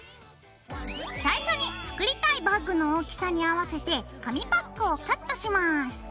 最初に作りたいバッグの大きさに合わせて紙パックをカットします。